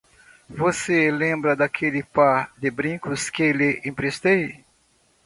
Você lembra daquele par de brincos que lhe emprestei?